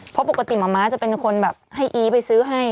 เพราะปกติมะม้าจะเป็นคนแบบให้อีไปซื้อให้